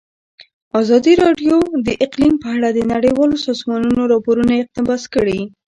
ازادي راډیو د اقلیم په اړه د نړیوالو سازمانونو راپورونه اقتباس کړي.